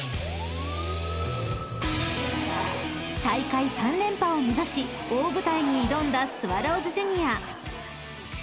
［大会３連覇を目指し大舞台に挑んだスワローズジュニア］